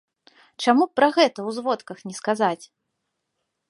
Чаму б пра гэта ў зводках не сказаць?